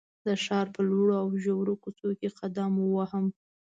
د ښار په لوړو او ژورو کوڅو کې قدم ووهم.